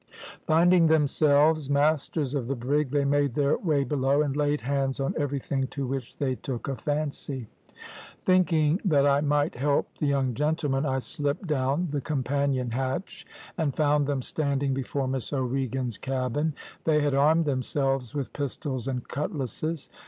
Finding themselves masters of the brig, they made their way below, and laid hands on everything to which they took a fancy. "Thinking that I might help the young gentlemen, I slipped down the companion hatch and found them standing before Miss O'Regan's cabin; they had armed themselves with pistols and cutlasses.